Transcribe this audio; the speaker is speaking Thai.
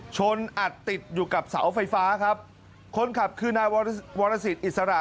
ชนอัดติดอยู่กับเสาไฟฟ้าครับคนขับคือนายวรวรสิทธิอิสระ